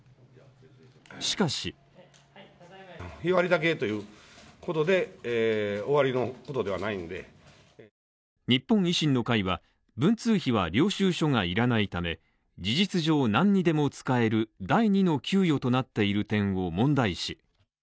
しかし日本維新の会は文通費は領収書がいらないため、事実上何にでも使える第２の給与となっている点を問題視。